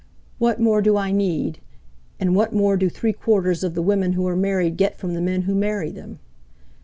"What more do I need? and what more do three quarters of the women who are married get from the men who marry them?"